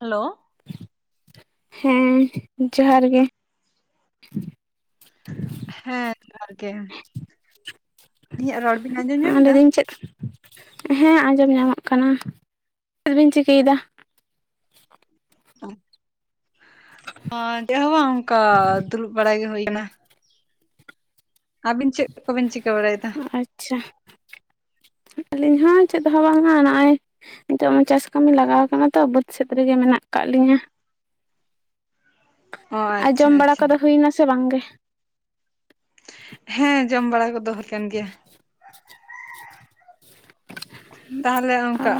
Hello, ᱦᱮᱸ ᱡᱚᱦᱟᱨ ᱜᱮ ᱾ [unintelligible] ᱦᱮᱸ ᱡᱚᱦᱟᱨ ᱜᱮ, ᱟᱹᱧᱟᱜ ᱨᱚᱲ ᱵᱤᱱ ᱟᱸᱡᱚᱢ ᱧᱟᱢ ᱮᱫᱟ? ᱞᱟᱹᱭᱫᱟᱹᱧ ᱪᱮᱫ ᱦᱮᱸ ᱟᱸᱡᱚᱢ ᱧᱟᱢᱚᱜ ᱠᱟᱱᱟ ᱾ ᱪᱮᱫ ᱵᱤᱱ ᱪᱤᱠᱟᱹᱭᱮᱫᱟ? ᱪᱮᱫ ᱦᱚᱸ ᱵᱟᱝ ᱚᱱᱠᱟ ᱫᱩᱲᱩᱵ ᱵᱟᱲᱟ ᱜᱮ ᱦᱩᱭ ᱟᱠᱟᱱᱟ ᱾ ᱟᱹᱵᱤᱱ ᱪᱮᱫ ᱠᱚᱵᱤᱱ ᱪᱤᱠᱟᱹ ᱵᱟᱲᱟᱭᱮᱫᱟ? ᱟᱪᱪᱷᱟ ᱾ ᱟᱹᱞᱤᱧ ᱦᱚᱸ ᱪᱮᱫ ᱦᱚᱸ ᱵᱟᱝᱟ ᱱᱚᱜᱼᱚᱭ, ᱱᱤᱛᱚᱜ ᱢᱟ ᱪᱟᱥ ᱠᱟᱹᱢᱤ ᱞᱟᱜᱟᱣ ᱟᱠᱟᱱᱟ ᱛᱚ ᱵᱟᱹᱫᱽ ᱥᱮᱫ ᱨᱮᱜᱮ ᱢᱮᱱᱟᱜ ᱟᱠᱟᱫ ᱞᱤᱧᱟᱹ ᱾ [unintelligible] ᱚ ᱟᱸ ᱟᱪᱪᱷᱟ ᱡᱚᱢ ᱵᱟᱲᱟ ᱟᱪᱪᱷᱟ ᱠᱚᱫᱚ ᱦᱩᱭᱱᱟ ᱥᱮ ᱵᱟᱝ ᱜᱮ? ᱦᱮᱸ ᱡᱚᱢ ᱵᱟᱲᱟ ᱠᱚ ᱫᱚ ᱦᱩᱭ ᱠᱟᱱ ᱜᱮᱭᱟ ᱾ [unintelligible] ᱛᱟᱦᱚᱞᱮ ᱚᱱᱠᱟ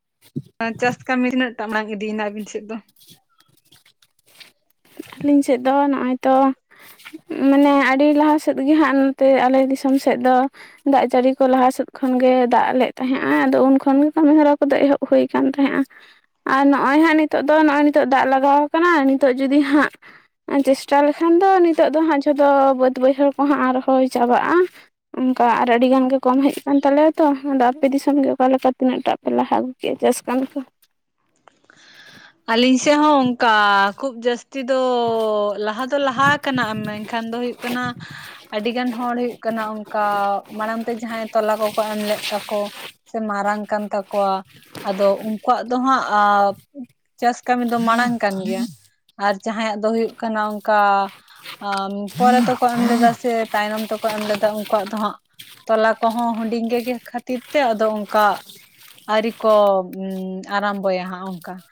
[inaudible] ᱪᱟᱥ ᱠᱟᱹᱢᱤ ᱛᱤᱱᱟᱹᱜ ᱴᱟᱜ ᱵᱟᱝ ᱤᱫᱤᱭᱮᱱᱟ ᱟᱵᱤᱱ ᱥᱮᱫ ᱫᱚ? ᱟᱹᱞᱤᱧ ᱥᱮᱫ ᱫᱚ ᱱᱚᱜᱼᱚᱭ ᱛᱚ, ᱢᱟᱱᱮ ᱟᱹᱰᱤ ᱞᱟᱦᱟ ᱥᱮᱫ ᱜᱮ ᱦᱟᱸᱜ ᱱᱚᱛᱮ ᱟᱞᱮ ᱫᱤᱥᱚᱢ ᱥᱮᱫ ᱫᱚ ᱾ ᱫᱟᱜ ᱡᱟᱹᱲᱤ ᱠᱚ ᱞᱟᱦᱟ ᱥᱮᱫ ᱠᱷᱚᱱᱜᱮ ᱫᱟᱜ ᱞᱮᱫ ᱛᱟᱦᱮᱸᱫᱼᱟ ᱟᱫᱚ ᱩᱱ ᱠᱷᱚᱱᱜᱮ ᱠᱟᱹᱢᱤᱦᱚᱨᱟ ᱠᱚᱫᱚ ᱮᱦᱚᱵ ᱦᱩᱭ ᱟᱠ ᱛᱟᱦᱮᱸᱫᱼᱟ ᱾ ᱟᱨ ᱱᱚᱜᱼᱚᱭ ᱦᱟᱸᱜ ᱱᱤᱛᱚᱜ ᱫᱚ ᱱᱚᱜᱼᱚᱭ ᱱᱤᱛᱚᱜ ᱫᱟᱜ ᱞᱟᱜᱟᱣ ᱠᱟᱱᱟ ᱱᱤᱛᱚᱜ ᱡᱩᱫᱤ ᱦᱟᱸᱜ, ᱪᱮᱥᱴᱟ ᱞᱮᱠᱷᱟᱱ ᱫᱚ ᱱᱤᱛᱚᱜ ᱫᱚ ᱦᱟᱸᱜ ᱡᱷᱚᱛᱚ ᱵᱟᱹᱫ ᱵᱟᱹᱭᱦᱟᱹᱲ ᱠᱚᱦᱟᱸ ᱟᱨᱦᱚᱸ ᱪᱟᱵᱟᱜᱼᱟ ᱾ ᱚᱱᱠᱟ ᱟᱨ ᱟᱹᱰᱤ ᱜᱟᱱ ᱜᱮ ᱠᱚᱢ ᱦᱮᱡ ᱠᱟᱱᱟᱱ ᱛᱟᱞᱮᱭᱟ ᱛᱚ ᱚᱰᱮ ᱟᱯᱮ ᱫᱤᱥᱚᱢ ᱜᱮ ᱚᱠᱟᱮ ᱞᱮᱠᱟ ᱛᱤᱱᱟᱹᱜ ᱴᱟᱜ? ᱞᱟᱦᱟ ᱟᱹᱜᱩ ᱠᱮᱫᱼᱟ ᱪᱟᱥ ᱠᱟᱱᱢᱤ ᱠᱚ? ᱟᱹᱞᱤᱧ ᱥᱮᱫ ᱦᱚᱸ ᱚᱱᱠᱟ ᱠᱷᱩᱵ ᱡᱟᱹᱥᱛᱤ ᱫᱚ ᱞᱟᱦᱟᱛᱮ, ᱛᱚ ᱞᱟᱦᱟ ᱠᱟᱱᱟ ᱮᱢ ᱮᱱᱠᱷᱟᱱ ᱫᱚ ᱦᱩᱭᱩᱜ ᱠᱟᱱᱟ, ᱟᱹᱰᱤᱜᱟᱱ ᱦᱚᱲ ᱦᱩᱭᱩᱜ ᱠᱟᱱᱟ ᱚᱱᱠᱟ ᱢᱟᱲᱟᱝ ᱛᱮ ᱡᱟᱦᱟᱸᱭ ᱛᱚᱞᱟ ᱠᱚᱠᱚ ᱮᱢ ᱞᱮᱫ ᱛᱟᱠᱚ, ᱥᱮ ᱢᱟᱨᱟᱝ ᱠᱟᱱ ᱛᱟᱠᱚᱣᱟ ᱟᱫᱚ ᱩᱱᱠᱩᱣᱟᱜ ᱫᱚ ᱦᱟᱸᱜ, ᱪᱟᱥ ᱠᱟᱹᱢᱤ ᱫᱚ ᱢᱟᱲᱟᱝ ᱠᱟᱱ ᱜᱮᱭᱟ ᱟᱨ ᱡᱟᱦᱟᱸᱭᱟᱜ ᱫᱚ ᱦᱩᱭᱩᱜ ᱠᱟᱱᱟ ᱚᱱᱠᱟ ᱯᱚᱨᱮ ᱟ ᱛᱠᱚ ᱮᱢ ᱞᱮᱫᱟ ᱥᱮ, ᱛᱟᱭᱱᱚᱢ ᱛᱮᱠᱚ ᱮᱢ ᱞᱮᱫᱟ ᱩᱱᱠᱩᱣᱟᱜ ᱫᱚ ᱦᱟᱸᱜ, ᱛᱚᱞᱟ ᱠᱚᱦᱚᱸ ᱦᱩᱰᱤᱝ ᱜᱮ ᱜᱮ ᱠᱷᱟᱹᱛᱤᱨ ᱛᱮ ᱟᱫᱚ ᱚᱱᱠᱟ᱾ ᱟᱹᱨᱤ ᱠᱚ ᱟᱨᱟᱢᱵᱚᱭᱟ ᱦᱟᱸᱜ ᱚᱱᱠᱟ ᱾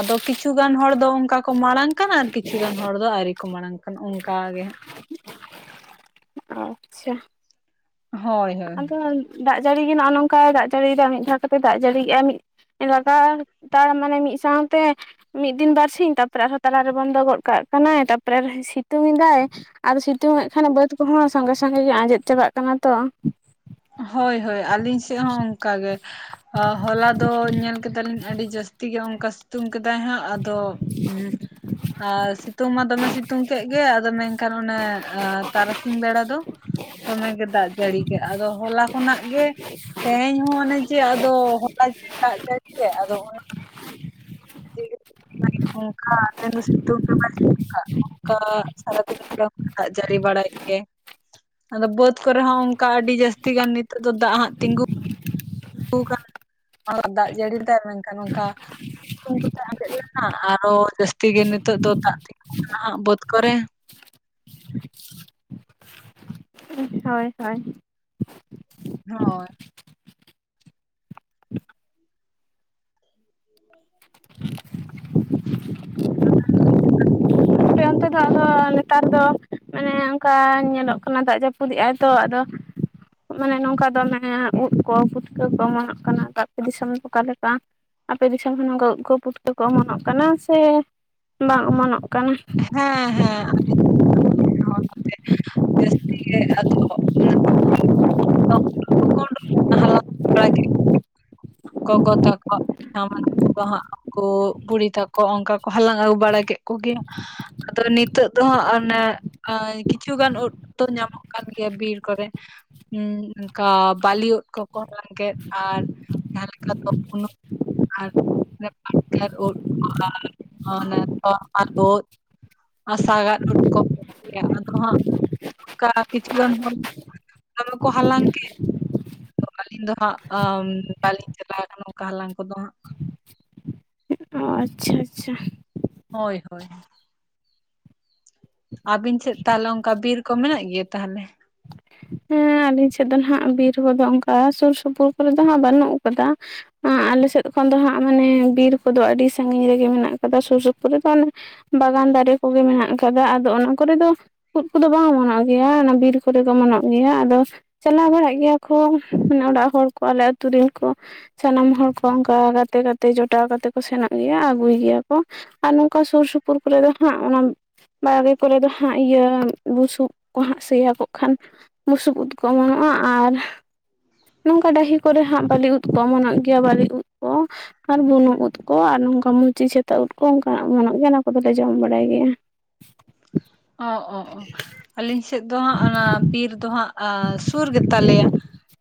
ᱟᱫᱚ ᱠᱤᱪᱷᱩ ᱜᱟᱱ ᱦᱚᱲ ᱫᱚ ᱚᱱᱠᱟ ᱠᱚ ᱢᱟᱲᱟᱝ ᱠᱟᱱᱟ ᱟᱨ ᱠᱤᱪᱷᱩ ᱜᱟᱱ ᱦᱚᱲ ᱫᱚ ᱟᱹᱨᱤ ᱠᱚ ᱢᱟᱲᱟᱝ ᱠᱟᱱᱟ ᱚᱱᱠᱟᱟᱜ ᱜᱮ ᱦᱟᱸᱜ ᱾ ᱟᱪᱪᱷᱟ ᱦᱳᱭ ᱦᱳᱭ ᱟᱫᱚ ᱫᱟᱜ ᱡᱟᱹᱲᱤ ᱜᱮ ᱱᱚᱜᱼᱚ ᱱᱚᱝᱠᱟᱭ ᱫᱟᱜ ᱡᱟᱹᱲᱤᱭᱮᱫᱟᱭ ᱢᱤᱫ ᱫᱷᱟᱣ ᱠᱟᱛᱮᱫ ᱫᱟᱜ ᱡᱟᱹᱲᱤᱭᱮᱫᱟᱭ ᱢᱤᱫ ᱞᱟᱜᱟᱛᱟᱲ [inaudible] ᱢᱟᱱᱮ ᱢᱤᱫ ᱥᱟᱶᱛᱮ ᱢᱤᱫ ᱫᱤᱱ ᱵᱟᱨ ᱥᱤᱧ ᱛᱟᱯᱚᱨᱮ ᱟᱨᱦᱚᱸ ᱛᱟᱞᱟᱨᱮ ᱵᱚᱱᱫᱚ ᱜᱚᱫ ᱠᱟᱜ ᱠᱟᱱᱟᱭ ᱛᱟᱨᱯᱚᱨᱮᱦᱚᱸ ᱥᱤᱛᱩᱝ ᱮᱫᱟᱭ ᱾ ᱟᱨ ᱥᱤᱛᱩᱝ ᱮ ᱠᱷᱟᱱ ᱵᱟᱹᱫᱽ ᱠᱚᱦᱚᱸ ᱥᱚᱸᱜᱮ ᱥᱟᱸᱜᱮ ᱜᱮ ᱟᱸᱡᱮᱫ ᱪᱟᱵᱟᱜ ᱠᱟᱱᱟ ᱛᱚ ᱾ ᱦᱳᱭ ᱦᱳᱭ, ᱟᱹᱞᱤᱧ ᱥᱮᱫ ᱦᱚᱸ ᱚᱱᱠᱟᱜᱮ ᱾ ᱦᱚᱞᱟ ᱫᱚ ᱧᱮᱞ ᱠᱮᱫᱟᱞᱤᱧ ᱟᱹᱰᱤ ᱡᱟᱹᱥᱛᱤ ᱜᱮ ᱚᱱᱠᱟ ᱥᱤᱛᱩᱝ ᱠᱮᱫᱟᱭ ᱦᱟᱸᱜ, ᱟᱫᱚ ᱟᱨ ᱥᱤᱛᱩᱝ ᱢᱟ ᱫᱚᱢᱮ ᱥᱤᱛᱩᱝ ᱠᱮᱫ ᱜᱮ, ᱟᱫᱚ ᱢᱮᱱᱠᱷᱟᱱ ᱚᱱᱮ ᱛᱟᱨᱟᱥᱤᱧ ᱵᱮᱲᱟ ᱫᱚ ᱫᱚᱢᱮ ᱜᱮ ᱫᱟᱜ ᱡᱟᱹᱲᱤ ᱜᱮ᱾ ᱟᱫᱚ ᱦᱚᱞᱟ ᱠᱷᱚᱱᱟᱜ ᱜᱮ ᱛᱮᱦᱮᱧ ᱦᱚᱸ, ᱚᱱᱮ ᱡᱮ ᱟᱫᱚ ᱦᱚᱞᱟ ᱪᱮ ᱫᱟᱜ ᱟᱫᱚ, [unintelligible] ᱥᱤᱛᱩᱝ ᱜᱮ ᱵᱟᱹᱭ ᱥᱤᱛᱩᱝ ᱚᱱᱠᱟ ᱥᱟᱨᱟ ᱫᱤᱱ ᱫᱟᱜᱡᱟᱲᱤ ᱵᱟᱲᱟ ᱜᱮ ᱾ ᱟᱫᱚ ᱵᱟᱹᱫᱽ ᱠᱚᱨᱮ ᱦᱚᱸ ᱚᱱᱠᱟ ᱟᱹᱰᱤ ᱡᱟᱹᱥᱛᱤ ᱜᱟᱱ ᱱᱤᱛᱚᱜ ᱫᱚ ᱫᱟᱜ ᱦᱟᱸᱜ ᱛᱤᱸᱜᱩ ᱠᱟᱱ ᱫᱟᱜ ᱡᱟᱹᱲᱤ ᱛᱟᱭ ᱢᱮᱱᱠᱷᱟᱱ ᱚᱱᱠᱟ ᱥᱤᱛᱩᱝ ᱠᱚᱛᱮ ᱟᱡᱮᱫ ᱞᱮᱱᱟ, ᱟᱨᱚ ᱡᱟᱹᱥᱛᱤ ᱜᱮ ᱱᱤᱛᱚᱜ ᱫᱚ ᱫᱟᱜ ᱛᱮᱜ ᱢᱮᱱᱟᱜᱼᱟ, ᱵᱟᱹᱫᱽ ᱠᱚᱨᱮ ᱾ ᱦᱳᱭ, ᱦᱳᱭ ᱾ ᱦᱳᱭ ᱾ [inaudible] [inaudible] [inaudible] ᱱᱤᱛᱚᱜ ᱫᱚ ᱟᱫᱚ ᱱᱮᱛᱟᱨ ᱫᱚ ᱢᱟᱱᱮ, ᱚᱱᱠᱟ ᱧᱮᱞᱚᱜ ᱠᱟᱱᱟ᱾ ᱫᱟᱜ ᱡᱟᱹᱯᱩᱫᱮᱜᱟᱭ ᱛᱚ, ᱟᱫᱚ ᱢᱟᱱᱮ ᱱᱚᱝᱠᱟ ᱫᱚ ᱢᱟᱱᱮ ᱩᱫ ᱠᱚ, ᱯᱷᱩᱴᱠᱟᱹ ᱠᱚ, ᱚᱢᱚᱱᱚᱜ ᱠᱟᱱᱟ, ᱫᱟ ᱟᱯᱮ ᱫᱤᱥᱚᱢ ᱚᱠᱟ ᱞᱮᱠᱟ? ᱟᱯᱮ ᱫᱤᱥᱚᱢ ᱦᱚᱸ ᱱᱚᱝ ᱜᱚ ᱜᱚ ᱯᱩᱴᱠᱟᱹᱠᱚ ᱚᱢᱚᱱᱚᱜ ᱠᱟᱱᱟ ᱥᱮ ᱵᱟᱝ ᱚᱢᱚᱱᱚᱜ ᱠᱟᱱᱟ? ᱦᱮᱸ ᱦᱮᱸ [unintelligible] ᱡᱟᱹᱥᱛᱤ ᱜᱮ [unintelligible] ᱠᱚ ᱦᱟᱞᱟᱝ ᱵᱟᱲᱟ [unintelligible] ᱜᱚᱜᱚ ᱛᱟᱠᱚᱠᱚ [unintelligible] ᱠᱚ ᱵᱩᱲᱤ ᱛᱟᱠᱚ ᱚᱱᱠᱟ ᱠᱚ ᱦᱟᱞᱟᱝ ᱟᱹᱜᱩ ᱵᱟᱲᱟ ᱠᱮᱫ ᱠᱚᱜᱮᱭᱟ᱾ ᱟᱫᱚ ᱱᱤᱛᱚᱜ ᱫᱚ ᱦᱟᱸᱜ ᱚᱱᱮ ᱟᱨ ᱠᱤᱪᱷᱩᱜᱟᱱ ᱩᱫ ᱫᱚ ᱧᱟᱢᱚᱜ ᱠᱟᱱ ᱜᱮᱭᱟ, ᱵᱤᱨ ᱠᱚᱨᱮ᱾ ᱦᱮᱸ ᱚᱱᱠᱟ ᱵᱟᱞᱤ ᱩᱫ ᱠᱚᱠᱚ ᱦᱟᱞᱟᱝ ᱠᱮᱫ ᱟᱨ [unintelligible] ᱡᱟᱦᱟᱸ ᱟᱨ ᱯᱟᱴᱠᱟ ᱩᱫ ᱠᱚ ᱟᱨ [unintelligible] ᱟᱨ ᱩᱫ ᱟᱨ ᱥᱟᱜᱟᱫ ᱩᱫ ᱠᱚᱠᱚ ᱟᱜᱩᱭᱟ, ᱟᱫᱚ ᱦᱟᱸᱜ ᱚᱱᱠᱟ ᱠᱤᱪᱷᱩ ᱜᱟᱱ ᱦᱚᱲ ᱫᱚᱢᱮ ᱠᱚ ᱦᱟᱞᱟᱝ ᱠᱮᱜ᱾ ᱟᱹᱞᱤᱧ ᱫᱚ ᱦᱟᱸᱜ ᱵᱟᱹᱞᱤᱧ ᱪᱟᱞᱟᱣ ᱠᱟᱱᱟ, ᱚᱱᱠᱟ ᱦᱟᱞᱟᱝ ᱠᱚᱫᱚ ᱦᱟᱸᱜ᱾ ᱚᱻ ᱟᱪᱪᱷᱟ, ᱟᱪᱪᱷᱟ᱾ ᱦᱳᱭ, ᱦᱳᱭ᱾ ᱟᱹᱵᱤᱱ ᱥᱮᱫ ᱛᱟᱦᱞᱮ ᱚᱱᱠᱟ ᱵᱤᱨ ᱠᱚ ᱢᱮᱱᱟᱜ ᱜᱮᱭᱟ, ᱛᱟᱦᱞᱮ? ᱦᱮᱸ ᱟᱹᱞᱤᱧ ᱥᱮᱫ ᱫᱚ ᱦᱟᱸᱜ ᱵᱤᱨ ᱠᱚᱫᱚ ᱚᱱᱠᱟ ᱥᱩᱨ ᱥᱩᱯᱩᱨ ᱠᱚᱨᱮ ᱫᱚ ᱦᱟᱸᱜ ᱵᱟᱹᱱᱩᱜ ᱠᱟᱫᱟ᱾ ᱟᱞᱮ ᱥᱮᱫ ᱠᱷᱚᱱ ᱫᱚ ᱦᱟᱸᱜ ᱢᱟᱱᱮ ᱵᱤᱨ ᱠᱚᱫᱚ ᱟᱹᱰᱤ ᱥᱟᱺᱜᱤᱧ ᱨᱮᱜᱮ ᱢᱮᱱᱟᱜ ᱠᱟᱫᱟ᱾ ᱥᱩᱨ ᱥᱩᱯᱩᱨ ᱨᱮᱫᱚ ᱵᱟᱜᱟᱱ ᱫᱟᱨᱮ ᱠᱚᱜᱮ ᱢᱮᱱᱟᱜ ᱟᱠᱟᱫᱟ, ᱟᱫᱚ ᱚᱱᱟ ᱠᱚᱨᱮ ᱫᱚ ᱩᱫ ᱠᱚᱫᱚ ᱵᱟᱝ ᱚᱢᱱᱚᱜ ᱜᱮᱭᱟ᱾ ᱚᱱᱟ ᱵᱤᱨ ᱠᱚᱨᱮ ᱫᱚ ᱚᱢᱱᱚᱜ ᱜᱮᱭᱟ᱾ ᱟᱫᱚ ᱪᱟᱞᱟᱣ ᱵᱟᱲᱟᱜ ᱜᱮᱭᱟ ᱠᱚ, ᱢᱟᱱᱮ ᱚᱲᱟᱜ ᱦᱚᱲ ᱠᱚ ᱟᱞᱮ ᱟᱹᱛᱩ ᱨᱮᱱ ᱠᱚ ᱥᱟᱱᱟᱢ ᱦᱚᱲ ᱠᱚ ᱚᱱᱠᱟ ᱜᱟᱛᱮ ᱜᱟᱛᱮ ᱡᱚᱴᱟᱣ ᱠᱟᱛᱮ ᱠᱚ ᱥᱮᱱᱚᱜ ᱜᱮᱭᱟ ᱟᱹᱜᱩᱭ ᱜᱮᱭᱟ ᱠᱚ᱾ ᱟᱨ ᱱᱚᱝᱠᱟ ᱥᱩᱨ ᱥᱩᱯᱩᱨ ᱠᱚᱨᱮ ᱫᱚ ᱦᱟᱸᱜ, ᱚᱱᱟ ᱵᱟᱲᱜᱮ ᱠᱚᱨᱮ ᱫᱚ ᱦᱟᱸᱜ ᱤᱭᱟᱹ ᱵᱩᱥᱩᱵ ᱠᱚ ᱦᱟᱸᱜ ᱥᱮᱭᱟ ᱠᱚᱜ ᱠᱷᱟᱱ ᱵᱩᱥᱩᱵ ᱩᱫ ᱠᱚ ᱚᱢᱚᱱᱚᱜᱼᱟ, ᱟᱨ ᱱᱚᱝᱠᱟ ᱰᱟᱹᱦᱤ ᱠᱚᱨᱮ ᱦᱟᱸᱜ ᱵᱟᱹᱞᱤ ᱩᱫ ᱠᱚ ᱚᱢᱚᱱᱚᱜ ᱜᱮᱭᱟ᱾ ᱵᱟᱹᱞᱤ ᱩᱫ ᱠᱚ ᱟᱨ ᱵᱩᱱᱩᱢ ᱩᱫ ᱠᱚ ᱟᱨ ᱱᱚᱝᱠᱟ ᱢᱩᱪᱤ ᱪᱷᱟᱹᱛᱟ ᱩᱫ ᱠᱚ, ᱚᱱᱠᱟᱱᱟᱜ ᱜᱚᱱᱚᱜ ᱜᱮᱭᱟ᱾ ᱚᱱᱟ ᱠᱚᱫᱚ ᱞᱮ ᱡᱚᱢ ᱵᱟᱲᱟᱭ ᱜᱮᱭᱟ᱾ ᱚ ᱚ ᱟᱹᱞᱤᱧ ᱥᱮᱫ ᱫᱚ ᱦᱟᱸᱜ ᱚᱱᱟ᱾ ᱵᱤᱨ ᱫᱚ ᱦᱟᱸᱜ ᱥᱩᱨ ᱜᱮᱛᱟ ᱞᱮᱭᱟ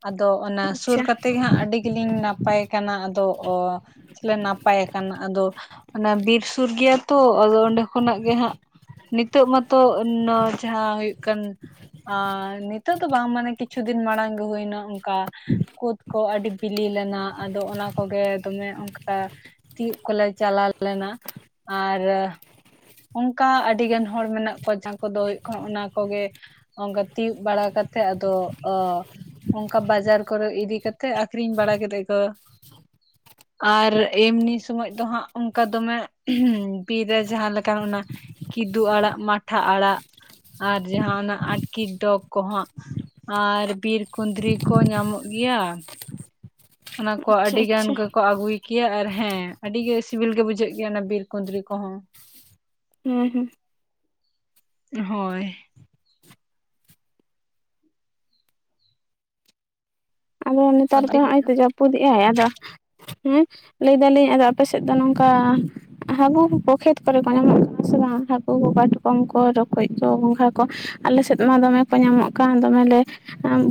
ᱟᱫᱚ ᱚᱱᱟ ᱥᱩᱨ ᱟᱪᱪᱷᱟ ᱠᱟᱛᱮ ᱜᱮ ᱦᱟᱸᱜ ᱟᱹᱰᱤ ᱜᱮᱞᱤᱧ ᱱᱟ ᱱᱟᱯᱟᱭ ᱠᱟᱱᱟ ᱟᱫᱚ ᱚ ᱱᱟᱯᱟᱭ ᱠᱟᱱᱟ ᱟᱫᱚ ᱚᱱᱮ ᱵᱤᱨ ᱥᱩᱨ ᱜᱮ᱾ ᱛᱚ ᱟᱫᱚ ᱚᱸᱰᱮ ᱠᱷᱚᱱᱟᱜ ᱜᱮ ᱦᱟᱸᱜ ᱱᱤᱛᱚᱜ ᱢᱟᱛᱚ ᱱᱚᱣᱟ ᱡᱟᱦᱟᱸ ᱦᱩᱭᱩᱜ ᱠᱟᱱ ᱟᱨ ᱱᱤᱛᱚᱜ ᱫᱚ ᱵᱟᱝ ᱢᱟᱱᱮ ᱠᱤᱪᱷᱩ ᱫᱤᱱ ᱢᱟᱲᱟᱝ ᱜᱮ ᱦᱩᱭᱱᱟ ᱚᱱᱠᱟ᱾ ᱠᱩᱫ ᱠᱚ ᱟᱹᱰᱤ ᱵᱤᱞᱤ ᱞᱮᱱᱟ ᱟᱫᱚ ᱚᱱᱟ ᱠᱚᱜᱮ ᱫᱚᱢᱮ ᱚᱱᱠᱟ ᱛᱤᱭᱩᱜ ᱠᱚᱞᱮ ᱪᱟᱞᱟᱣ ᱞᱮᱱᱟ ᱟᱨ ᱚᱱᱠᱟ ᱟᱹᱰᱤ ᱜᱟᱱ ᱦᱚᱲ ᱢᱮᱱᱟᱜ ᱠᱚᱣᱟ ᱡᱟᱦᱟᱸ ᱠᱚᱫᱚ ᱦᱩᱭᱩᱜ ᱠᱟᱱᱟ ᱚᱱᱟ ᱠᱚᱜᱮ ᱚᱱᱠᱟ ᱛᱤᱭᱩᱜ ᱵᱟᱲᱟ ᱠᱟᱛᱮᱜ ᱟᱫᱚ ᱚ᱾ ᱚᱱᱠᱟ ᱵᱟᱡᱟᱨ ᱠᱚᱨᱮ ᱤᱫᱤ ᱠᱟᱛᱮᱜ ᱟᱠᱷᱨᱤᱧ ᱵᱟᱲᱟ ᱠᱮᱫ ᱠᱚ᱾ ᱟᱨ ᱮᱢᱱᱤ ᱥᱚᱢᱚᱭ ᱫᱚ ᱦᱟᱸᱜ ᱚᱱᱠᱟ ᱫᱚᱢᱮ ᱵᱤᱨ ᱨᱮ ᱡᱟᱦᱟᱸ ᱞᱮᱠᱟ ᱚᱱᱟ ᱠᱤᱫᱩ ᱟᱲᱟᱜ ᱢᱟᱴᱷᱟ ᱟᱲᱟᱜ᱾ ᱟᱨ ᱡᱟᱦᱟᱸ ᱚᱱᱟ ᱟᱴᱠᱤ ᱰᱚᱜᱽ ᱠᱚᱦᱟᱸᱜ ᱟᱨ ᱵᱤᱨ ᱠᱩᱸᱫᱽᱨᱤ ᱠᱚ ᱧᱟᱢᱚᱜ ᱜᱮᱭᱟ᱾ ᱚᱱᱟ ᱠᱚ ᱟᱪᱪᱷᱟ ᱟᱹᱰᱤ ᱜᱟᱱ ᱟᱪᱪᱷᱟ ᱜᱮᱠᱚ ᱟᱹᱜᱩᱭ᱾ ᱠᱮᱭᱟ ᱟᱨ ᱦᱮᱸ ᱟᱹᱰᱤ ᱜᱮ ᱥᱤᱵᱤᱞ ᱜᱮ ᱵᱩᱡᱷᱟᱹᱜ ᱜᱮᱭᱟ ᱚᱱᱟ ᱵᱤᱨ ᱠᱩᱸᱫᱽᱨᱤ ᱠᱚᱦᱚᱸ᱾ ᱦᱩᱸ ᱦᱩᱸ ᱦᱳᱭ ᱟᱫᱚ ᱱᱮᱛᱟᱨ ᱫᱚ ᱟᱹᱰᱤ ᱱᱚᱜᱼᱚᱭ ᱛᱚ ᱡᱟᱹᱯᱩᱫᱮᱜᱼ ᱟᱭ ᱟᱫᱚ᱾ ᱦᱮᱸ ᱞᱟᱹᱭ ᱫᱟᱞᱤᱧ ᱟᱫᱚ ᱟᱯᱮ ᱥᱮᱫ ᱫᱚ ᱱᱚᱝᱠᱟ᱾ ᱦᱟᱹᱠᱩ ᱠᱚ ᱠᱷᱮᱛ ᱠᱚᱨᱮ ᱠᱚ ᱧᱟᱢᱚᱜ ᱠᱟᱱᱟ ᱥᱮ ᱵᱟᱝ ᱦᱟᱹᱠᱩ ᱠᱚ ᱠᱟᱴᱠᱚᱢ ᱠᱚ ᱨᱚᱠᱚᱡ ᱠᱚ ᱜᱚᱸᱜᱷᱟ ᱠᱚ? ᱟᱞᱮ ᱥᱮᱫ ᱢᱟ ᱫᱚᱢᱮ ᱠᱚ ᱧᱟᱢᱚᱜ ᱠᱟᱱ ᱫᱚᱢᱮᱞᱮ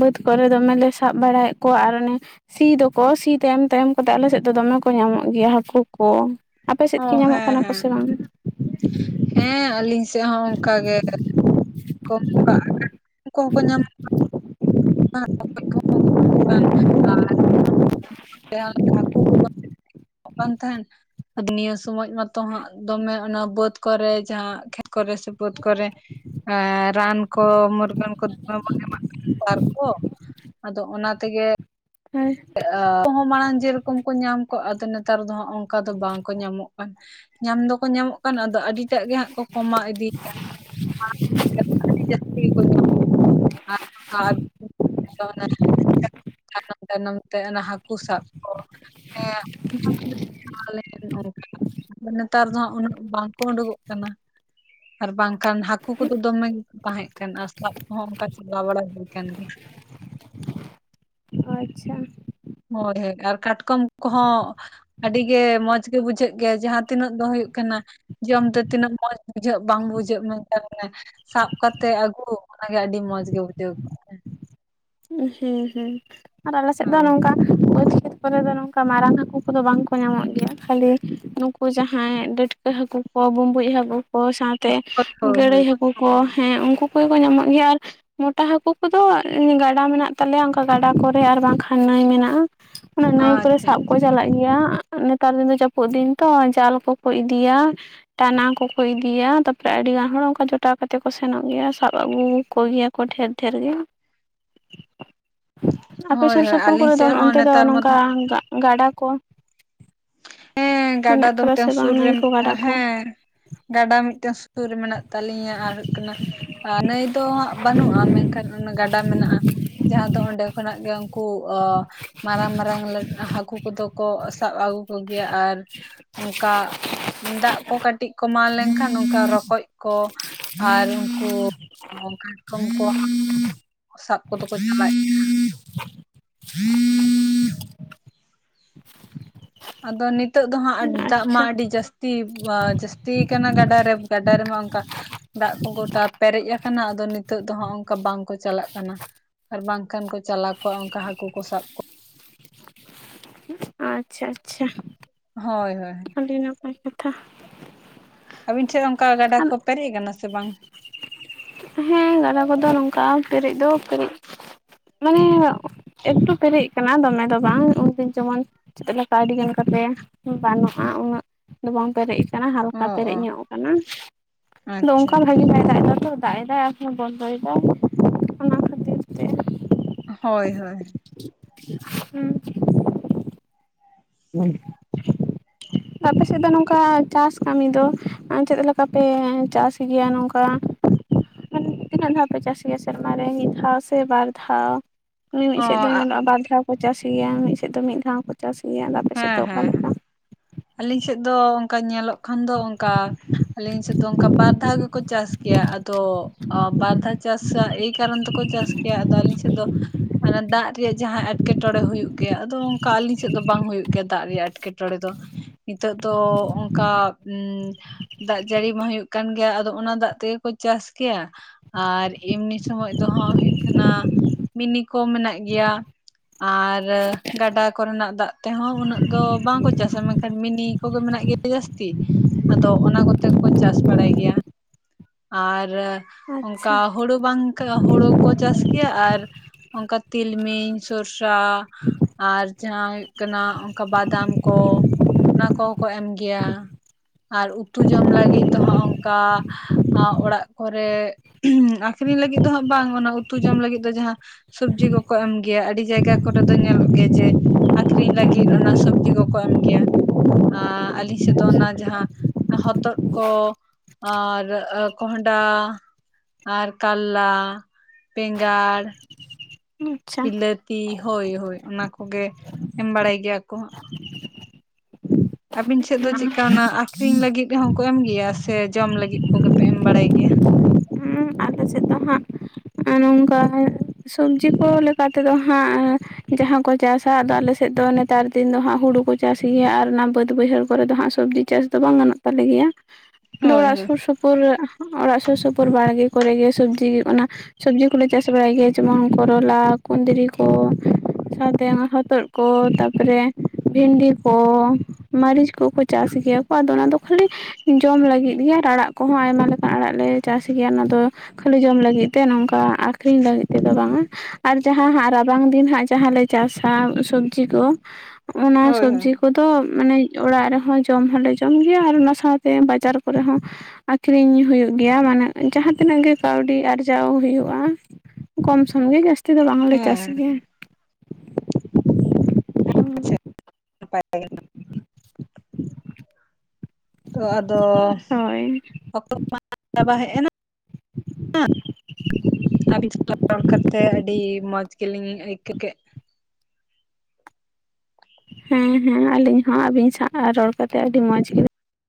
ᱵᱟᱹᱫᱽ ᱠᱚᱨᱮ ᱫᱚᱢᱮᱞᱮ ᱥᱟᱵ ᱵᱟᱲᱟ᱾ ᱠᱚ ᱟᱨ ᱚᱱᱮ, ᱥᱤ ᱫᱚᱠᱚ ᱥᱤ ᱛᱟᱭᱚᱢ ᱛᱟᱭᱚᱢ ᱠᱟᱛᱮ ᱟᱞᱮ ᱥᱮᱫ ᱫᱚ ᱫᱚᱢᱮ ᱠᱚ ᱧᱟᱢᱚᱜ ᱜᱮᱭᱟ ᱦᱟᱹᱠᱩ ᱠᱚ ᱾ ᱟᱯᱮ ᱥᱮᱫ ᱚ ᱜᱮ ᱧᱟᱢᱚᱜ ᱦᱮᱸ ᱠᱟᱱᱟ ᱦᱮᱸ ᱥᱮ ᱵᱟᱝ? ᱦᱮᱸ ᱟᱹᱞᱤᱧ ᱥᱮᱫ ᱦᱚᱸ ᱚᱱᱠᱟ ᱜᱮ [inaudible] ᱠᱚ ᱧᱟᱢᱚ᱾ [unintelligible] ᱵᱟᱝ ᱛᱟᱦᱮᱱ ᱟ ᱱᱤᱭᱟᱹ ᱥᱚᱢᱚᱭ ᱢᱟᱛᱚ ᱦᱟᱸᱜ ᱫᱚᱢᱮ ᱚᱱᱟ ᱵᱟᱹᱫᱽ ᱠᱚᱨᱮ ᱡᱟᱦᱟᱸ ᱠᱷᱮᱛ ᱠᱚᱨᱮ ᱥᱮ ᱵᱟᱹᱫᱽ ᱠᱚᱨᱮ᱾ ᱮ ᱨᱟᱱ ᱠᱚ ᱢᱩᱨᱜᱟᱹᱱ ᱠᱚ ᱫᱚᱢᱮ᱾ ᱮᱢᱟᱜ ᱠᱟᱱᱟ ᱥᱟᱨ [unintelligible] ᱠᱚ ᱟᱫᱚ ᱚᱱᱟ ᱛᱮᱜᱮ᱾ ᱦᱮᱸ ᱟᱠ ᱦᱚᱸ ᱢᱟᱲᱟᱝ ᱡᱮᱨᱚᱠᱚᱢ ᱠᱚ ᱧᱟᱢ ᱠᱚᱜ ᱟᱫᱚ ᱱᱮᱛᱟᱨ ᱫᱚ ᱦᱟᱸᱜ ᱚᱱᱠᱟ ᱫᱚ ᱵᱟᱝᱠᱚ ᱧᱟᱢᱚᱜ ᱠᱟᱱᱟ ᱾ ᱧᱟᱢ ᱫᱚᱠᱚ ᱧᱟᱢᱚᱜ ᱠᱟᱱ ᱟᱫᱚ ᱟᱹᱰᱤᱴᱟᱜ ᱜᱮ ᱦᱟᱸᱜ ᱠᱚ ᱠᱚᱢᱟᱣ ᱤᱫᱤᱭ ᱠᱟᱱᱟ ᱾ [unintelligible] ᱡᱟᱹᱥᱛᱤ ᱜᱮᱠᱚ‌ ᱧᱟᱢᱚ ᱟᱨ [unintelligible] ᱛᱟᱭᱱᱚᱢ ᱛᱟᱭᱱᱚᱢ ᱚᱱᱟ ᱦᱟᱹᱠᱩ ᱥᱟᱵ ᱠᱚ [unintelligible] ᱱᱮᱛᱟᱨ ᱫᱚ ᱦᱟᱸᱜ ᱩᱱᱟᱹᱜ ᱵᱟᱝᱠᱚ ᱩᱰᱩᱠᱚᱜ ᱠᱟᱱᱟ ᱾ ᱟᱨ ᱵᱟᱝᱠᱷᱟᱱ ᱦᱟᱹᱠᱩ ᱠᱚᱫᱚ ᱫᱚᱢᱮ ᱛᱟᱦᱮᱸ ᱠᱟᱱᱟ ᱟᱨ ᱥᱟᱵ ᱠᱚᱦᱚᱸ ᱚᱱᱠᱟ ᱪᱟᱞᱟ ᱵᱟᱲᱟ ᱦᱩᱭ ᱟᱠᱟᱱ ᱜᱮ᱾ ᱟᱪᱪᱷᱟ ᱾ ᱦᱳᱭ ᱦᱳᱭ ᱟᱨ ᱠᱟᱴᱠᱚᱢ ᱠᱚᱦᱚᱸ᱾ ᱟᱹᱰᱤ ᱜᱮ ᱢᱚᱸᱡᱽ ᱜᱮ ᱵᱩᱡᱷᱟᱹᱜ ᱜᱮᱭᱟ ᱡᱟᱦᱟᱸ ᱛᱤᱱᱟᱹᱜ ᱫᱚ ᱦᱩᱭᱩᱜ ᱠᱟᱱᱟ᱾ ᱡᱚᱢ ᱛᱮ ᱛᱤᱱᱟᱹᱜ ᱢᱚᱸᱡᱽ ᱵᱩᱡᱷᱟᱹᱜ ᱵᱟᱝ ᱵᱩᱡᱷᱟᱹᱜ ᱢᱮᱱᱛᱮ ᱟᱱᱮ᱾ ᱥᱟᱵ ᱠᱟᱛᱮ ᱟᱹᱜᱩ ᱚᱱᱟᱜᱮ ᱟᱹᱰᱤ ᱢᱚᱸᱡᱽᱜᱮ ᱵᱩᱡᱷᱟᱹᱣ ᱾ ᱮᱸ ᱦᱮᱸ ᱦᱮᱸ ᱟᱨ ᱟᱞᱮᱥᱮᱫ ᱫᱚ ᱱᱚᱝᱠᱟ ᱵᱟᱹᱫᱽ ᱠᱷᱮᱛ ᱠᱚᱨᱮ ᱫᱚ ᱱᱚᱝᱠᱟ ᱢᱟᱨᱟᱝ ᱦᱟᱹᱠᱩ ᱠᱚᱫᱚ ᱵᱟᱝᱠᱚ ᱧᱟᱢᱚᱜ ᱜᱮᱭᱟ, ᱠᱷᱟᱹᱞᱤ ᱱᱩᱠᱩ ᱡᱟᱦᱟᱸᱭ ᱰᱟ. ᱴ ᱠᱟᱹ ᱦᱟᱹᱠᱩ ᱠᱚ ᱵᱩᱢᱵᱩᱡ ᱦᱟᱹᱠᱩ ᱠᱚ ᱥᱟᱶᱛᱮ ᱠᱚᱜᱼᱟ ᱦᱳᱭ ᱦᱳᱭ ᱜᱟᱹᱲᱟᱹᱭ ᱦᱳᱭ ᱦᱟᱹ ᱠᱩ ᱠᱚ ᱦᱮᱸ ᱩᱝᱠᱩ ᱠᱚᱜᱮ ᱠᱚ ᱧᱟᱢᱚᱜ ᱜᱮᱭᱟ, ᱟᱨ ᱢᱚᱴᱟ ᱦᱠᱩ ᱠᱚᱫᱚ ᱜᱟ ᱜᱟᱰᱟ ᱢᱮᱱᱟᱜ ᱛᱟᱞᱮᱭᱟ, ᱚᱝᱠᱟ ᱜᱟᱰᱟ ᱠᱚᱨᱮ ᱟᱨ ᱵᱟᱝᱠᱷᱟᱱ ᱱᱟᱹᱭ ᱢᱮᱱᱟᱜᱼᱟ, ᱚᱱᱟ ᱱᱟᱹᱭ ᱠᱚᱨᱮ ᱟᱪᱪᱷᱟ ᱥᱟᱵ ᱠᱚ ᱪᱟᱞᱟᱜ ᱜᱮᱭᱟ ᱱᱮᱛᱟᱨ ᱫᱤᱱ ᱫᱚ ᱡᱟᱹᱯᱩᱫ ᱫᱤᱱ ᱛᱚ ᱡᱟᱞ ᱠᱚᱠᱚ ᱤᱫᱤᱭᱟ ᱾ ᱴᱟᱱᱟ ᱠᱚᱠᱚ ᱤᱫᱤᱭᱟ, ᱛᱟᱯᱚᱨᱮ ᱟᱹᱰᱤ ᱜᱟᱱ ᱦᱚᱲ ᱚᱱᱠᱟ ᱡᱚᱴᱟᱣ ᱠᱟᱛᱮ ᱠᱚ ᱥᱮᱱᱚᱜ ᱜᱮᱭᱟ ᱥᱟᱵ ᱟᱹᱜᱩ ᱠᱚ ᱜᱮᱭᱟ ᱠᱚ ᱰᱷᱮᱨ ᱴᱷᱮᱨ ᱜᱮ ᱾ ᱟᱯᱮ ᱦᱳᱭ ᱥᱩᱨ ᱦᱳᱭ ᱥᱩᱯᱩᱨ ᱟᱹᱞᱤᱧ ᱠᱚᱨᱮ ᱫᱚ ᱥᱮᱫ ᱦᱚᱸ ᱚᱱᱛᱮ ᱫᱚ ᱱᱮᱛᱟᱨ ᱢᱟ ᱱᱚᱝᱠᱟ ᱜᱟᱜ ᱜᱟᱰᱟ ᱠᱚ ᱦᱮᱸ ᱜᱟᱰᱟ ᱢᱮᱱᱟᱜ ᱫᱚ ᱟᱠᱟᱫᱟ ᱢᱤᱫᱴᱮᱱ ᱥᱮ ᱵᱟᱝ ᱥᱩᱨ ᱨᱮ ᱱᱟᱹᱭ ᱠᱚ ᱜᱟᱰᱟ ᱠᱚ ᱦᱮᱸ ᱜᱟᱰᱟ ᱢᱤᱫᱴᱮᱱ ᱥᱩᱨ ᱨᱮ ᱢᱮᱱᱟᱜ ᱛᱟᱹᱟᱞᱤᱧᱟ ᱟᱨ ᱦᱩᱭᱩᱜ ᱠᱟᱱᱟ, ᱟᱨ ᱱᱟᱹᱭ ᱫᱚ ᱦᱟᱸᱜ ᱵᱟᱹᱱᱩᱜᱼᱟ, ᱢᱮᱱᱠᱷᱟᱱ ᱚᱱᱟ ᱜᱟᱰᱟ ᱢᱮᱱᱟᱜᱼᱟ, ᱡᱟᱦᱟᱸ ᱫᱚ ᱚᱸᱰᱮ ᱠᱷᱚᱱᱟᱜ ᱜᱮ ᱠᱩ ᱚ ᱢᱟᱨᱟᱝ ᱢᱟᱨᱟᱝ ᱦᱟᱹᱠᱩ ᱠᱚᱫᱚ ᱠᱚ ᱥᱟᱵ ᱟᱹᱜᱩ ᱠᱚᱜᱮᱭᱟ, ᱟᱨ ᱚᱝᱠᱟ ᱫᱟᱜ ᱠᱚ ᱠᱟᱹᱴᱤᱡ ᱠᱚ ᱠᱚᱢᱟᱣ ᱞᱮᱱᱠᱷᱟᱱ ᱚᱱᱠᱟ ᱨᱚᱠᱚᱡ ᱠᱚ ᱟᱨ ᱩᱝᱠᱩ ᱠᱟᱴᱠᱚᱢ ᱠᱚ ᱦᱟᱹᱠᱩ ᱥᱟᱵ ᱠᱚᱫᱚ ᱠᱚ ᱪᱟᱞᱟᱜ [unintelligible] ᱟᱫᱚ ᱱᱤᱛᱳ ᱫᱚ ᱦᱟᱸᱜ ᱫᱟᱜ ᱢᱟ ᱟᱪᱪᱷᱟ ᱟᱹᱰᱤ ᱡᱟᱹᱥ ᱛᱤ ᱡᱟᱹᱥᱛᱤ ᱠᱟᱱᱟ ᱜᱟᱰᱟᱟᱨᱮ ᱜᱟᱰᱟ ᱨᱮᱢᱟ ᱚᱝᱠᱟ ᱫᱟᱜ ᱠᱚ ᱜᱚᱴᱟ ᱯᱮᱨᱮᱡ ᱠᱟᱱᱟ ᱟᱫᱚ ᱱᱤᱛᱚᱜ ᱫᱚ ᱦᱟᱸᱜ ᱚᱝᱠᱟ ᱵᱟᱝᱠᱚ ᱪᱟᱞᱟᱜ ᱠᱟᱱᱟ ᱾ ᱟᱨ ᱵᱟᱝᱠᱷᱟᱱ ᱠᱚ ᱪᱟᱞᱟᱣ ᱠᱚᱜᱼᱟ ᱚᱝᱠᱟ ᱦᱟᱹᱠᱩ ᱠᱚ ᱥᱟᱵ ᱠᱚ ᱾ ᱟᱪᱪᱷᱟ ᱟᱪᱪᱷᱟ ᱾ ᱦᱳᱭ ᱦᱳᱭ ᱾ ᱟᱹᱰᱤ ᱱᱟᱯᱟᱭ ᱠᱟᱛᱷᱟ ᱾ ᱟᱵᱤᱱ ᱴᱷᱮᱡ ᱚᱝᱠᱟ ᱜᱟᱰᱟ ᱠᱚ ᱯᱮᱨᱮᱡ ᱠᱟᱱᱟ ᱥᱮ ᱵᱟᱝ? ᱦᱮᱸ ᱜᱟᱰᱟ ᱠᱚᱫᱚ ᱱᱚᱝᱠᱟ ᱯᱮᱨᱮᱡ ᱫᱚ ᱯᱮᱨᱮᱡ ᱢᱟᱱᱮ ᱮᱠᱴᱩ ᱯᱮᱨᱮᱡ ᱠᱟᱱᱟ ᱫᱚᱢᱮ ᱫᱚ ᱵᱟᱝ ᱩᱱᱫᱤᱱ ᱡᱮᱢᱚᱱ ᱪᱮᱫ ᱞᱮᱠᱟ ᱟᱹᱰᱤᱜᱟᱱ ᱠᱟᱛᱮ ᱵᱟᱱᱚᱜᱼᱟ ᱩᱱᱟᱹᱜ ᱫᱚ ᱵᱟᱝ ᱯᱮᱨᱮᱡ ᱠᱟᱱᱟ ᱚ ᱦᱟᱞᱠᱟ ᱯᱮᱨᱮᱡ ᱚ ᱧᱚᱜ ᱠᱟᱱᱟ, ᱟᱫᱚ ᱟᱪᱪᱷᱟ ᱚᱱᱠᱟ ᱟᱪᱪᱷᱟ ᱵᱷᱟᱜᱮ ᱫᱟᱜ ᱮᱫᱟᱭ ᱟᱨᱦᱚ ᱵᱚᱱᱫᱭ ᱫᱟᱭ᱾ ᱦᱳᱭ ᱦᱳᱭ᱾ ᱦᱩᱸ᱾ ᱦᱩᱸ᱾ ᱟᱯᱮ ᱥᱮᱫ ᱫᱚ ᱱᱚᱝᱠᱟ ᱪᱟᱥ ᱠᱟᱹᱢᱤ ᱫᱚ ᱟᱻ ᱪᱮᱫ ᱞᱮᱠᱟᱯᱮ ᱪᱟᱥ ᱜᱮᱭᱟ ᱱᱚᱝᱠᱟ [inaudible] ᱢᱟᱱᱮ ᱛᱤᱱᱟᱹᱜ ᱫᱷᱟᱣ ᱯᱮ ᱪᱟᱥ ᱜᱮᱭᱟ ᱥᱮᱨᱢᱟ ᱨᱮ ᱢᱤᱫ ᱫᱷᱟᱣ ᱥᱮ ᱵᱟᱨ ᱫᱷᱟᱣ? ᱢᱤ-ᱢᱤᱫ ᱚ ᱥᱮᱫ ᱫᱚ ᱦᱮᱸ ᱧᱮᱞᱚᱜᱼᱟ ᱵᱟᱨ ᱫᱷᱟᱣ ᱠᱚ ᱪᱟᱥ ᱜᱮᱭᱟ ᱢᱤᱫ ᱥᱮᱫ ᱫᱚ ᱢᱤᱫ ᱫᱷᱟᱣ ᱠᱚ ᱪᱟᱥ ᱜᱮᱭᱟ ᱟᱫᱚ ᱟᱯᱮ ᱥᱮᱫ ᱦᱮᱸ ᱫᱚ ᱚᱠᱟ ᱦᱮᱸ ᱞᱮᱠᱟ? ᱟᱹᱞᱤᱧ ᱥᱮᱫ ᱫᱚ ᱚᱝᱠᱟ ᱧᱮᱞᱚᱜ ᱠᱷᱟᱱ ᱫᱚ ᱚᱱᱠᱟ ᱟᱹᱞᱤᱧ ᱥᱮᱫ ᱫᱚ ᱚᱝᱠᱟ ᱵᱟᱨ ᱫᱷᱟᱣ ᱜᱮᱠᱚ ᱪᱟᱥ ᱜᱮᱭᱟ, ᱟᱫᱚ ᱚ ᱵᱟᱨ ᱫᱷᱟᱣ ᱪᱟᱥ ᱮᱭ ᱠᱟᱨᱚᱱ ᱛᱮᱠᱚ ᱪᱟᱥ ᱠᱮᱭᱟ ᱟᱫᱚ ᱟᱹᱞᱤᱧ ᱥᱮᱫ ᱫᱚ ᱚᱱᱟ ᱫᱟᱜ ᱨᱮᱭᱟᱜ ᱡᱟᱦᱟᱸ ᱮᱸᱴᱠᱮ ᱴᱚᱬᱮ ᱦᱩᱭᱩᱜ ᱜᱮᱭᱟ ᱟᱫᱚ ᱚᱱᱠᱟ ᱟᱞᱤᱧ ᱥᱮᱫ ᱫᱚ ᱵᱟᱝ ᱦᱩᱭᱩᱜ ᱜᱮ ᱫᱟᱜ ᱨᱮᱭᱟᱜ ᱮᱴᱠᱮᱴᱚᱬᱮ ᱫᱚ ᱱᱤᱛᱚᱜ ᱫᱚ ᱚᱱᱠᱟ ᱩᱸ ᱫᱟᱜ ᱡᱟᱹᱲᱤ ᱢᱟ ᱦᱩᱭᱩᱜ ᱠᱟᱱ ᱜᱮᱭᱟ ᱟᱫᱚ ᱚᱱᱟ ᱫᱟᱜ ᱛᱮᱜᱮ ᱠᱚ ᱪᱟᱥ ᱠᱮᱭᱟ᱾ ᱟᱨ ᱮᱢᱱᱤ ᱥᱚᱢᱚᱭ ᱫᱚ ᱦᱟᱸᱜ ᱦᱩᱭᱩᱜ ᱠᱟᱱᱟ ᱢᱤᱱᱤ ᱠᱚ ᱢᱮᱱᱟᱜ ᱜᱮᱭᱟ᱾ ᱟᱨ ᱜᱟᱰᱟ ᱠᱚᱨᱮᱱᱟᱜ ᱫᱟᱜ ᱛᱮᱦᱚᱸ ᱩᱱᱟᱹᱜ ᱫᱚ ᱵᱟᱝᱠᱚ ᱪᱟᱥᱟ ᱢᱮᱱᱠᱷᱟᱱ ᱢᱤᱱᱤ ᱠᱚᱜᱮ ᱢᱮᱱᱟᱜ ᱜᱮᱭᱟ ᱡᱟᱹᱥᱛᱤ᱾ ᱟᱫᱚ ᱚᱱᱟ ᱠᱚᱛᱮ ᱠᱚ ᱪᱟᱥ ᱵᱟᱲᱟᱭ ᱜᱮᱭᱟ ᱟᱨ ᱟᱪᱪᱷᱟ ᱚᱱᱠᱟ ᱦᱳᱲᱩᱳ ᱵᱟᱝ ᱦᱳᱲᱳ ᱠᱚ ᱪᱟᱥ ᱠᱮᱭᱟ ᱟᱨ ᱚᱱᱠᱟ ᱛᱤᱞᱢᱤᱧ ᱥᱚᱨᱥᱟ, ᱟᱨ ᱡᱟᱦᱟᱭ ᱠᱟᱱᱟ ᱚᱱᱠᱟ ᱵᱟᱫᱟᱢ ᱠᱚ ᱚᱱᱟ ᱠᱚᱦᱚᱸ ᱠᱚ ᱮᱢ ᱜᱮᱭᱟ᱾ ᱟᱨ ᱩᱛᱩ ᱡᱚᱢ ᱞᱟᱹᱜᱤᱫ ᱫᱚ ᱦᱟᱸᱜ ᱚᱱᱠᱟ ᱚᱲᱟᱜ ᱠᱚᱨᱮ ᱟᱠᱷᱨᱤᱧ ᱞᱟᱹᱜᱤᱫ ᱫᱚ ᱦᱟᱸᱜ ᱵᱟᱝ ᱚᱱᱟ ᱩᱛᱩ ᱡᱚᱢ ᱞᱟᱹᱜᱤᱫ ᱫᱚ ᱡᱟᱦᱟᱸ ᱥᱚᱵᱡᱤ ᱠᱚᱠᱚ ᱮᱢ ᱜᱮᱭᱟ ᱟᱹᱰᱤ ᱡᱟᱭᱜᱟ ᱠᱚᱨᱮ ᱫᱚ ᱧᱮᱞᱚᱜ ᱜᱮᱭᱟ ᱡᱮ, ᱟᱠᱷᱨᱤᱧ ᱞᱟᱹᱜᱤᱫ ᱚᱱᱟ ᱥᱚᱵᱡᱤ ᱠᱚᱠᱚ ᱮᱢ ᱜᱮᱭᱟ᱾ ᱟᱻ ᱟᱹᱞᱤᱧ ᱥᱮᱫ ᱫᱚ ᱚᱱᱟ ᱡᱟᱦᱟᱸ ᱦᱚᱛᱚᱫ ᱠᱚ ᱟᱨ ᱠᱚᱸᱦᱰᱟᱸ᱾ ᱟᱨ ᱠᱟᱞᱞᱟ ᱵᱮᱸᱜᱟᱲ, ᱟᱪᱪᱷᱟ ᱵᱤᱞᱟᱹᱛᱤ ᱦᱳᱭ ᱦᱳᱭ ᱚᱱᱟ ᱠᱚᱜᱮ ᱮᱢ ᱵᱟᱲᱟᱭ ᱜᱮᱭᱟ ᱠᱚ ᱦᱟᱸᱜ᱾ ᱟᱵᱤᱱ ᱥᱮᱫ ᱫᱚ ᱪᱮᱫᱠᱟ ᱚᱱᱟ ᱟᱠᱷᱨᱤᱧ ᱞᱟᱹᱜᱤᱫ ᱦᱚᱸᱠᱚ ᱮᱢ ᱜᱮᱭᱟ ᱥᱮ ᱡᱚᱢ ᱞᱟᱹᱜᱤᱫ ᱠᱚᱜᱮᱯᱮ ᱮᱢ ᱵᱟᱲᱟᱭ ᱜᱮᱭᱟ? ᱦᱩᱸ ᱟᱞᱮ ᱥᱮᱫ ᱫᱚ ᱦᱟᱸᱜ ᱱᱚᱝᱠᱟ ᱦᱩ ᱥᱚᱵᱡᱤ ᱠᱚ ᱞᱮᱠᱟ ᱛᱮᱫᱚ ᱦᱟᱸᱜ ᱮ ᱡᱟᱦᱟᱸ ᱠᱚ ᱪᱟᱥᱟ ᱟᱫᱚ ᱟᱞᱮ ᱥᱮᱫ ᱫᱚ ᱱᱮᱛᱟᱨ ᱫᱤᱱ ᱫᱚ ᱦᱟᱸᱜ ᱦᱩᱲᱩ ᱠᱚ ᱪᱟᱥ ᱜᱮᱭᱟ ᱟᱨ ᱚᱱᱟ ᱵᱟᱹᱫ ᱵᱟᱹᱭᱦᱟᱹᱲ ᱠᱚᱨᱮ ᱫᱚ ᱦᱟᱸᱜ ᱥᱚᱵᱽᱡᱤ ᱪᱟᱥ ᱫᱚ ᱵᱟᱝ ᱜᱟᱱᱚᱜ ᱛᱟᱞᱮ ᱜᱮᱭᱟ ᱦᱳᱭ ᱚᱲᱟᱜ ᱦᱳᱭ ᱥᱩᱨ ᱥᱩᱯ ᱯᱩᱱ ᱚᱲᱟᱜ ᱥᱩᱨ ᱥᱩᱯᱩᱨ ᱵᱟᱲᱜᱮ ᱠᱚᱨᱮ ᱜᱮ ᱥᱚᱵᱡᱤ ᱚᱱᱟ ᱥᱚᱵᱽᱡᱤ ᱠᱚᱞᱮ ᱪᱟᱥ ᱵᱟᱲᱟᱭ ᱜᱮᱭᱟ ᱡᱮᱢᱚᱱ ᱠᱚᱨᱚᱞᱟ ᱠᱩᱫᱽᱨᱤ ᱠᱚ ᱥᱟᱶᱛᱮ ᱦᱚᱛᱚᱫ ᱠᱚ ᱛᱟᱨᱯᱚᱨᱮ ᱵᱷᱤᱱᱰᱤ ᱠᱚ ᱢᱟᱹᱨᱤᱪ ᱠᱚᱠᱚ ᱪᱟᱥ ᱜᱮᱭᱟ ᱠᱚ ᱟᱫᱚ ᱚᱱᱟᱫᱚ ᱠᱷᱟᱹᱞᱤ ᱡᱚᱢ ᱞᱟᱹᱜᱤᱫ ᱜᱮ ᱟᱨ ᱟᱲᱟᱜ ᱠᱚᱦᱚᱸ ᱟᱭᱢᱟ ᱞᱮᱠᱟᱱ ᱟᱲᱟᱜ ᱞᱮ ᱪᱟᱥ ᱜᱮᱭᱟ ᱚᱱᱟᱫᱚ ᱠᱷᱟᱹᱞᱤ ᱡᱚᱢ ᱞᱟᱹᱜᱤᱫ ᱛᱮ ᱱᱚᱝᱠᱟ ᱟᱠᱷᱨᱤᱧ ᱞᱟᱹᱜᱤᱫ ᱛᱮᱫᱚ ᱵᱟᱝᱟ ᱟᱨ ᱡᱟᱸᱦᱟ ᱦᱟᱸᱜ ᱨᱟᱵᱟᱝ ᱫᱤᱱ ᱦᱟᱸᱜ ᱡᱟᱦᱟᱸᱞᱮ ᱪᱟᱥᱟ ᱥᱚᱵᱡᱤ ᱠᱚ ᱚᱱᱟ ᱦᱳᱭ ᱦᱳᱭ ᱥᱚᱵᱡᱤ ᱠᱚᱫᱚ ᱢᱟᱱᱮ ᱚᱲᱟᱜ ᱨᱮᱦᱚᱸ ᱡᱚᱢ ᱦᱚᱸᱞᱮ ᱡᱚᱢ ᱜᱮᱭᱟ ᱟᱨ ᱚᱱᱟ ᱥᱟᱶᱛᱮ ᱵᱟᱡᱟᱨ ᱠᱚᱨᱮ ᱦᱚᱸ ᱟᱠᱷᱨᱤᱧ ᱦᱩᱭᱩᱜ ᱜᱮᱭᱟ ᱢᱟᱱᱮ ᱡᱟᱦᱟᱸ ᱛᱤᱱᱟᱹᱜ ᱜᱮ ᱠᱟᱹᱣᱰᱤ ᱟᱨᱡᱟᱣ ᱦᱩᱭᱩᱜ ᱦᱩ ᱠᱚᱢ ᱥᱚᱢ ᱜᱮ ᱡᱟᱹᱥᱛᱤ ᱫᱚ ᱵᱟᱝᱞᱮ ᱪᱟᱥ ᱦᱮᱸ ᱜᱮᱭᱟ ᱟᱪᱷᱟ [inaudible] ᱛᱚ ᱟᱫᱚ ᱦᱳᱭ [inaudible] ᱪᱟᱵᱟ ᱦᱮᱡ ᱮᱱᱟ ᱟᱜ ᱟᱵᱤᱱ [inaudible] ᱨᱚᱲ ᱠᱟᱛᱮᱫ ᱟᱹᱰᱤ ᱢᱚᱸᱡᱽ ᱜᱮᱞᱤᱧ ᱟᱹᱭᱠᱟᱹ ᱠᱮᱜ ᱦᱮᱸ ᱦᱮᱸ ᱟᱞᱤᱧ ᱦᱚᱸ ᱟᱹᱵᱤᱱ ᱥᱟᱶ ᱨᱚᱲ ᱠᱟᱛᱮ ᱟᱹᱰᱤ ᱢᱚᱸᱡᱽ ᱜᱮ